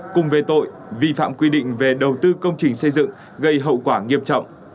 cùng về tội vi phạm quy định về đầu tư công trình xây dựng gây hậu quả nghiêm trọng